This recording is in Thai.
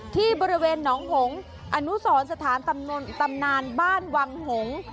ที่บริเวณหนองหงษ์อนุสรสถานตำนานบ้านวังหงษ์